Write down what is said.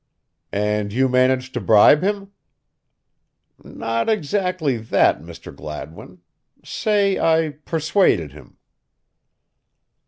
"And you managed to bribe him?" "Not exactly that, Mr. Gladwin say I persuaded him."